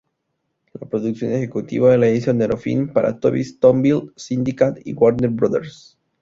La producción ejecutiva la hizo Nero-Film para Tobis-Tonbild-Syndikat y Warner Brothers.